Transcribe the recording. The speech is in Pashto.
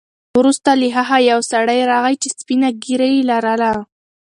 وروسته له هغه یو سړی راغی چې سپینه ږیره یې لرله.